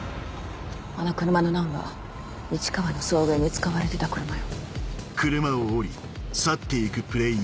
あの車のナンバー市川の送迎に使われてた車よ。